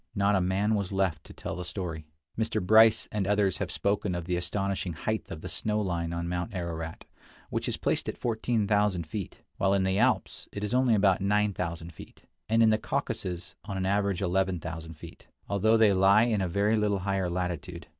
Not a man was left to tell the story. Mr. Bryce and others have spoken of the astonishing height of the snow line on Mount Ararat, which is placed at 14,000 feet; while in the Alps it is only about 9000 feet, and in the Caucasus on an average 11,000 feet, although they lie in a very little higher latitude.